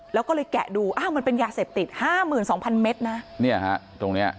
แล้วก็เลยแกะดูมันเป็นยาเสพติด๕๒๐๐๐เมตรนะ